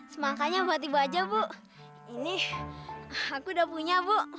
semangkanya tiba tiba aja bu ini aku udah punya bu